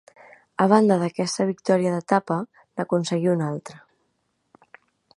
A banda d'aquesta victòria d'etapa n'aconseguí una altra.